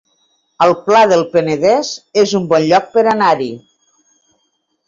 El Pla del Penedès es un bon lloc per anar-hi